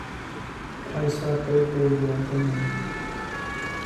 Phaisa pelpawi lawng ka ngei.